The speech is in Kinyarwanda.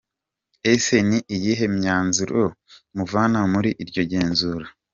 com : Ese ni iyihe myanzuro muvana muri iryo genzura ?.